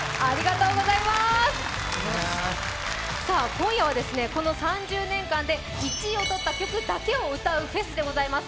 今夜はこの３０年間で１位を取った曲だけを歌うフェスでございます。